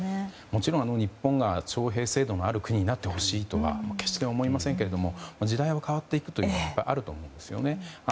もちろん日本が徴兵制度のある国になってほしいとは決して思いませんけれども時代は変わっていくということはあると思うんですよね。